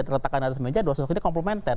diletakkan di atas meja dua sisi komplementer